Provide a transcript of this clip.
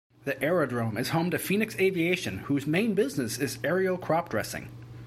The aerodrome is home to Phoenix Aviation whose main business is aerial crop dressing.